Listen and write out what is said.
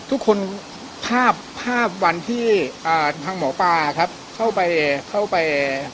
ทุกคนภาพภาพวันที่อ่าทางหมอปลาครับเข้าไปเข้าไป